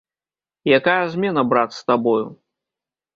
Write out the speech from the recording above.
Якая змена, брат, з табою?